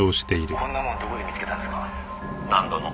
「こんなもんどこで見つけたんですか？」